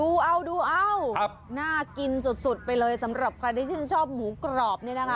ว้าวดูเอ้าน่ากินจุดไปเลยสำหรับคนที่ชอบหมูกรอบนี่นะคะ